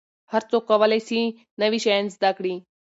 هر څوک کولای سي نوي شیان زده کړي.